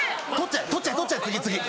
取っちゃえ取っちゃえ次次。